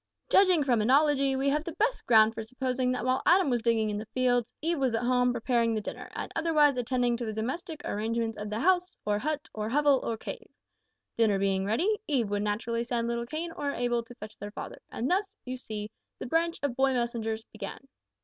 Judging from analogy, we have the best ground for supposing that while Adam was digging in the fields Eve was at home preparing the dinner, and otherwise attending to the domestic arrangements of the house, or hut, or hovel, or cave. Dinner being ready, Eve would naturally send little Cain or Abel to fetch their father, and thus, you see, the branch of boy messengers began."